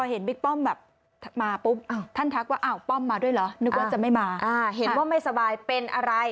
เห็นว่าไม่สบายเป็นอะไร